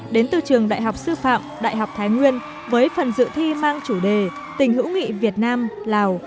đến từ trường đại học sư phạm đại học thái nguyên với phần dự thi mang chủ đề tình hữu nghị việt nam lào